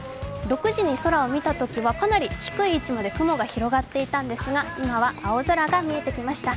６時に空を見たときはかなり低い位置に雲が広がっていたんですが今は青空が見えてきました。